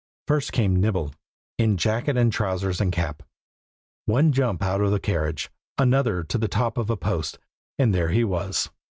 First came Nibble, in jacket and trousers and cap. One jump out of the carriage, another to the top of a post, and there he was.